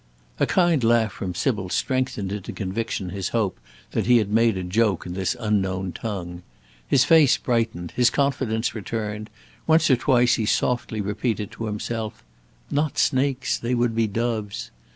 A kind laugh from Sybil strengthened into conviction his hope that he had made a joke in this unknown tongue. His face brightened, his confidence returned; once or twice he softly repeated to himself: "Not snakes; they would be doves!"